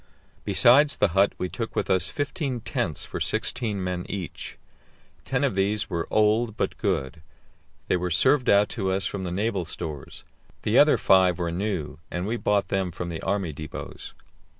Besides the hut we took with us fifteen tents for sixteen men each. Ten of these were old, but good; they were served out to us from the naval stores; the other five were new, and we bought them from the army depots.